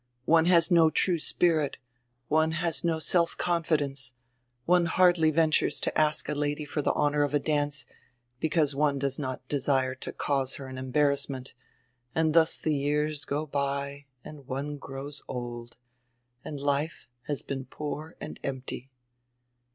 One has no true spirit, one has no self confidence, one hardly ventures to ask a lady for die honor of a dance, because one does not desire to cause her an embarrassment, and tiius die years go by and one grows old, and life has been poor and empty."